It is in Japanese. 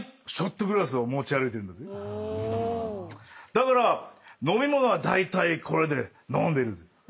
だから飲み物はだいたいこれで飲んでるぜ。